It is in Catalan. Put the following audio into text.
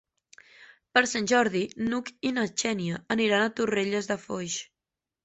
Per Sant Jordi n'Hug i na Xènia aniran a Torrelles de Foix.